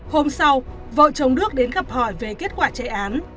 hôm sau vợ chồng đức đến gặp hỏi về kết quả chạy án